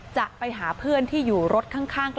จะไปหาเพื่อนที่อยู่รถข้าง